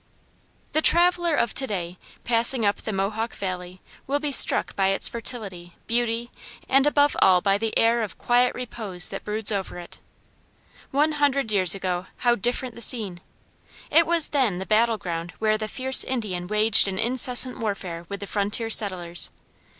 The traveler of to day, passing up the Mohawk Valley will be struck by its fertility, beauty, and above all by the air of quiet repose that broods over it. One hundred years ago how different the scene! It was then the battle ground where the fierce Indian waged an incessant warfare with the frontier settlers.